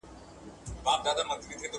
اسدالله خان او پلار يې له زندان څخه وتښتېدل.